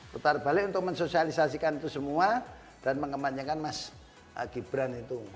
putar balik untuk mensosialisasikan itu semua dan mengemanyakan mas gibran itu